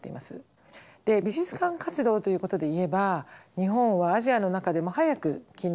美術館活動ということで言えば日本はアジアの中でも早く近代化が進んだので